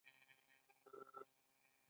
ما ته له جنته کابل ښکلی دی.